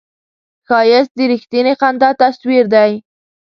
ښایست د رښتینې خندا تصویر دی